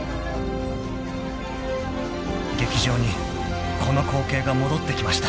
［劇場にこの光景が戻ってきました］